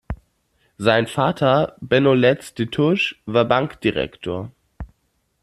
Sein Vater, Benno Letz de Tusch, war Bankdirektor.